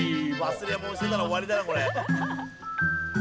忘れ物してたら終わりだなこれ。